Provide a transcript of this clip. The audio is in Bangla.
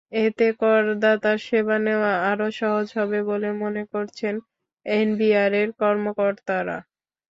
এতে করদাতার সেবা নেওয়া আরও সহজ হবে বলে মনে করছেন এনবিআরের কর্মকর্তারা।